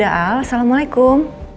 ya udah al assalamualaikum